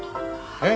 えっ。